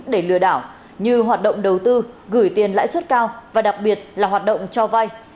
để lừa đảo như hoạt động đầu tư gửi tiền lãi suất cao và đặc biệt là hoạt động cho vay